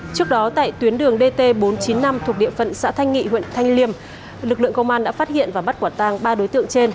trước đó tại tuyến đường dt bốn trăm chín mươi năm thuộc địa phận xã thanh nghị huyện thanh liêm lực lượng công an đã phát hiện và bắt quả tang ba đối tượng trên